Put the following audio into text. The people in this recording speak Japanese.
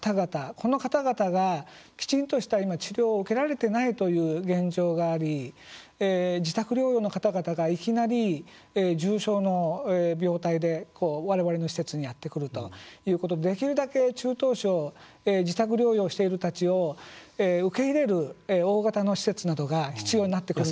この方々がきちんとした治療を受けられていないという現状があり自宅療養の方々がいきなり重症の病態でわれわれの施設にやってくるということでできるだけ中等症自宅療養している人たちを受け入れる大型の施設などが必要になってくると。